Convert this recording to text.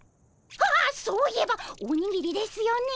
ああそういえばおにぎりですよねえ。